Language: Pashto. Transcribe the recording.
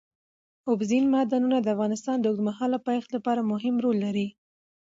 اوبزین معدنونه د افغانستان د اوږدمهاله پایښت لپاره مهم رول لري.